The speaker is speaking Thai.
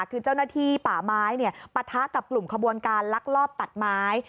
คือเจ้าหน้าที่ป่าไม้ปะทะกับกลุ่มขบวนการลักลอบตัดไม้